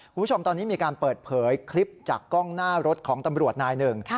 คุณผู้ชมตอนนี้มีการเปิดเผยคลิปจากกล้องหน้ารถของตำรวจนายหนึ่ง